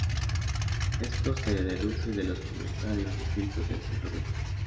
Esto se deduce de los comentarios escritos en sus reversos.